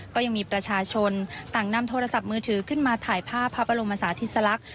ก็ยังมีประชาชนต่างนำโทรศัพท์มือถือขึ้นมาถ่ายภาพพระบรมศาสติสลักษณ